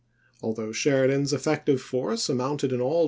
Al Report though Sheridan's effective force amounted in all